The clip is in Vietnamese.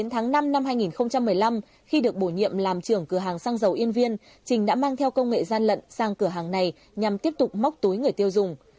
tháng năm năm hai nghìn một mươi năm khi được bổ nhiệm làm trưởng cửa hàng xăng dầu yên viên trình đã mang theo công nghệ gian lận sang cửa hàng này nhằm tiếp tục móc túi người tiêu dùng